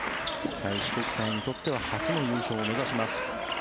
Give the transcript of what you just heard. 開志国際にとっては初の優勝を目指します。